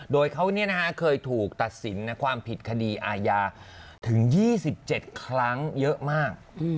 โดยเขาเคยถูกตัดสินความผิดคดีอาญาถึง๒๗ครั้งเยอะมาก